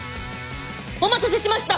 お待たせしました！